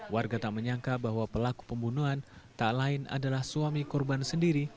warga tak menyangka bahwa pelaku pembunuhan tak lain adalah suami korban sendiri